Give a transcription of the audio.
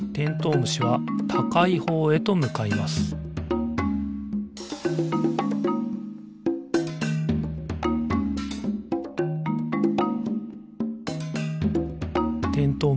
むしはたかいほうへとむかいますてんとう